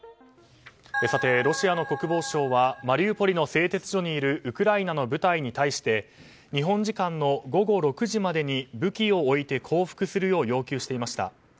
ロシアの国防省はマリウポリの製鉄所にいるウクライナの部隊に対して日本時間の午後６時までに武器を置いて降伏するよう要求していました。